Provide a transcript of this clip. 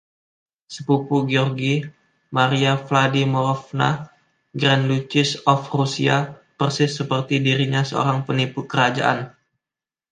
Sepupu Giorgi, Maria Vladimirovna, Grand Duchess of Russia, persis seperti dirinya, seorang penipu kerajaan.